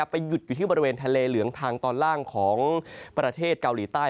ไปหยุดอยู่ที่บริเวณทะเลเหลืองทางตอนล่างของประเทศเกาหลีใต้